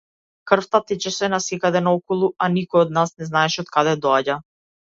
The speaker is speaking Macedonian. Крвта течеше насекаде наоколу, а никој од нас не знаеше од каде доаѓа.